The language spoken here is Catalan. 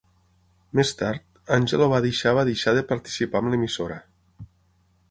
Més tard, Angelo va deixar va deixar de participar amb l'emissora.